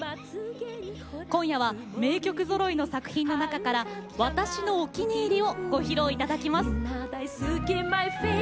今夜は名曲ぞろいの作品の中から「私のお気に入り」をご披露いただきます。